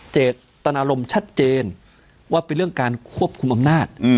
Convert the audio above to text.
เจตนารมณ์ชัดเจนว่าเป็นเรื่องการควบคุมอำนาจ